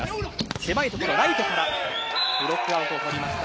狭いところ、ライトからブロックアウトを取りました